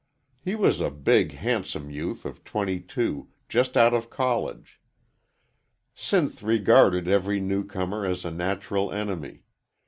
He was a big, handsome youth of twenty two, just out of college. Sinth regarded every new comer as a natural enemy.